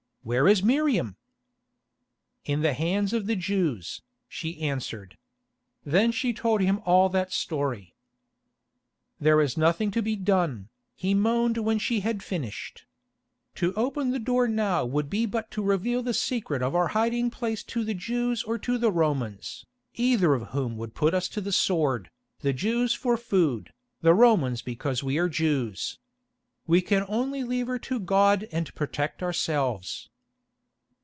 "Where is Miriam?" "In the hands of the Jews," she answered. Then she told him all that story. "There is nothing to be done," he moaned when she had finished. "To open the door now would be but to reveal the secret of our hiding place to the Jews or to the Romans, either of whom would put us to the sword, the Jews for food, the Romans because we are Jews. We can only leave her to God and protect ourselves."